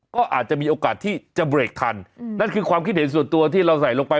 ก็อาจจะมีโอกาสที่จะเบรกทันนั่นคือความคิดเห็นส่วนตัวที่เราใส่ลงไป